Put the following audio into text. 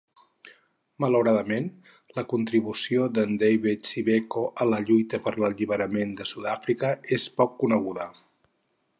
Malauradament, la contribució d'en David Sibeko a la lluita per l'alliberament de Sud-Àfrica és poc coneguda.